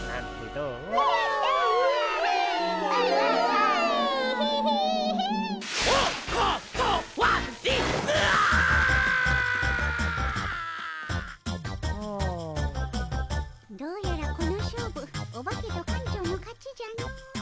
どうやらこの勝負オバケと館長の勝ちじゃの。